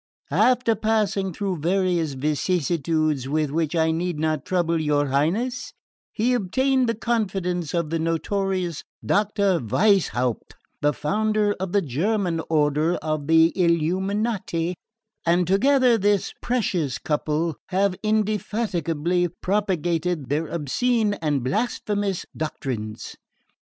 After passing through various vicissitudes with which I need not trouble your Highness, he obtained the confidence of the notorious Dr. Weishaupt, the founder of the German order of the Illuminati, and together this precious couple have indefatigably propagated their obscene and blasphemous doctrines.